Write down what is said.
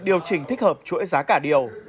điều chỉnh thích hợp chuỗi giá cả điều